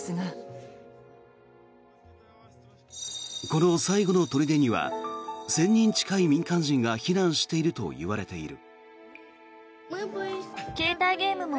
この最後の砦には１０００人近い民間人が避難しているといわれている。